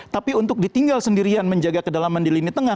tapi untuk ditinggal sendirian menjaga kedalaman di lini tengah